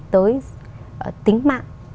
tới tính mạng